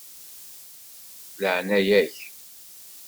Laɛnaya-k.